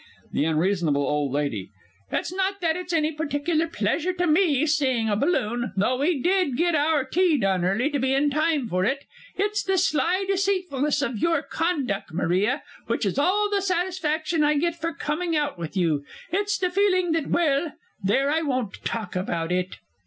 THE U. O. L. It's not that it's any partickler pleasure to me, seeing a balloon, though we did get our tea done early to be in time for it it's the sly deceitfulness of your conduck, Maria, which is all the satisfaction I get for coming out with you, it's the feeling that well, there, I won't talk about it!